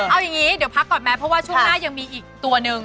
เอาอย่างนี้เดี๋ยวพักก่อนไหมเพราะว่าช่วงหน้ายังมีอีกตัวหนึ่ง